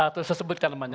itu saya sebutkan namanya